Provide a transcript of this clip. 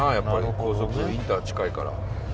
高速インター近いから。